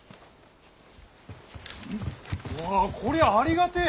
おおこりゃあありがてえ。